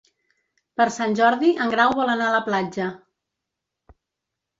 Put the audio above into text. Per Sant Jordi en Grau vol anar a la platja.